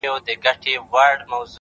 د بېوفا لفظونه راوړل،